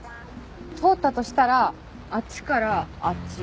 通ったとしたらあっちからあっち。